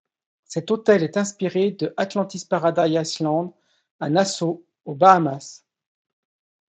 Cet hôtel est inspiré de Atlantis Paradise Island à Nassau, aux Bahamas.